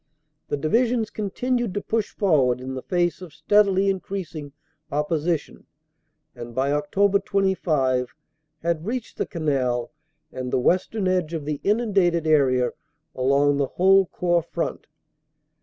"The Divisions continued to push forward in the face of 356 CANADA S HUNDRED DAYS steadily increasing opposition, and by Oct. 25 had reached the Canal and the western edge of the inundated area along the whole Corps front.